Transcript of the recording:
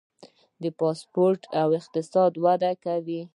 د سپورت اقتصاد وده کوي